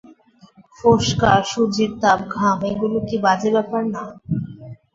ফোস্কা, সূর্যের তাপ, ঘাম এগুলো কি বাজে ব্যাপার না?